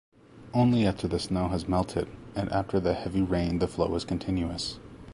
Only after the snow has melted and after the heavy rain the flow is continuous.